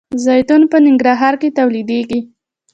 زیتون په ننګرهار کې تولیدیږي.